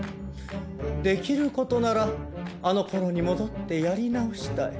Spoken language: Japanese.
できる事ならあの頃に戻ってやり直したい。